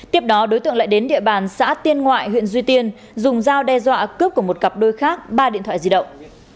tiếp đó đối tượng lại đến địa bàn xã tiên ngoại huyện duy tiên dùng dao đe dọa cướp của một cặp đôi khác ba điện thoại di động